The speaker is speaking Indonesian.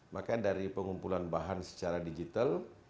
maka dari pengumpulan bahan secara digital